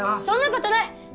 そんなことない！